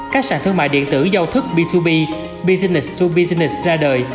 các sàn thương mại điện tử giao thức b hai b business to business ra đời